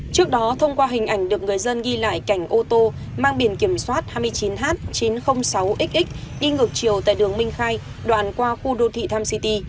trước đó thông qua hình ảnh được người dân ghi lại cảnh ô tô mang biển kiểm soát hai mươi chín h chín trăm linh sáu x đi ngược chiều tại đường minh khai đoạn qua khu đô thị tham city